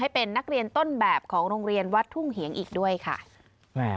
เป็นนักเรียนต้นแบบของโรงเรียนวัดทุ่งเหียงอีกด้วยค่ะ